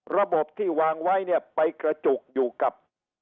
ระบบที่วางไว้เนี่ยไปกระจุกอยู่กับ